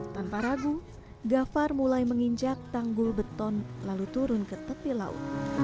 tanpa ragu gafar mulai menginjak tanggul beton lalu turun ke tepi laut